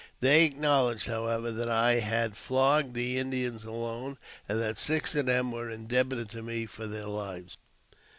They acknowledged, however, that I had flogged the Indians alone, and that six of them were indebted to me for their lives.